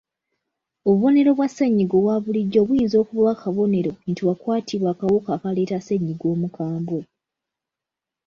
Obubonero bwa ssennyiga owa bulijjo buyinza okuba akabonero nti wakwatibwa akawuka akaleeta ssennyiga omukambwe.